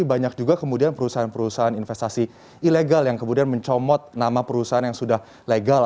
banyak juga kemudian perusahaan perusahaan investasi ilegal yang kemudian mencomot nama perusahaan yang sudah legal